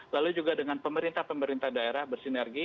lalu juga dengan pemerintah pemerintah daerah bersinergi